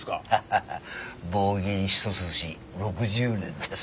ハハハ棒銀一筋６０年でさ。